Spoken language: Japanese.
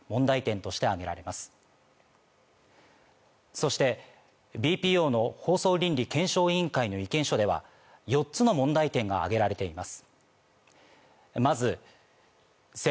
そしてＢＰＯの放送倫理検証委員会の意見書では４つの問題点が挙げられています。